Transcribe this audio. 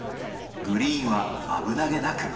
グリーンは危なげなく。